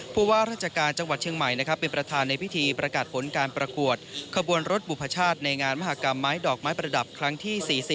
ว่าราชการจังหวัดเชียงใหม่เป็นประธานในพิธีประกาศผลการประกวดขบวนรถบุพชาติในงานมหากรรมไม้ดอกไม้ประดับครั้งที่๔๐